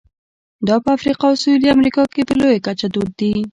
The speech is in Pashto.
دا په افریقا او سوېلي امریکا کې په لویه کچه دود دي.